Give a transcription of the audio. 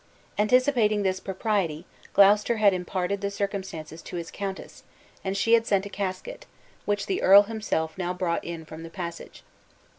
Anticipating this propriety, Gloucester had imparted the circumstance to his countess, and she had sent a casket, which the earl himself now brought in from the passage.